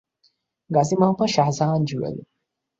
Gazi Mohammad Shahjahan Jewel.